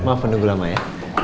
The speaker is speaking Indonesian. maaf menunggu lama ya